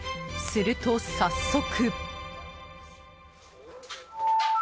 すると、早速。